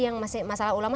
yang masih masalah ulama